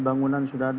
bangunan sudah ada